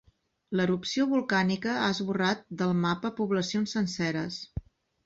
L'erupció volcànica ha esborrat del mapa poblacions senceres.